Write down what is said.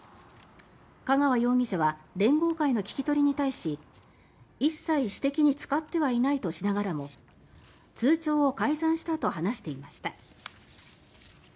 香川容疑者は連合会の聞き取りに対し「一切私的に使ってはいない」としながらも「通帳を改ざんした」と話していました。